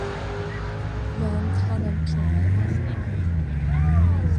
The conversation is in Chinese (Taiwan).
願他能平安